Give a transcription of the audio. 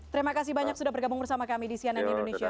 terima kasih banyak sudah bergabung bersama kami di cnn indonesia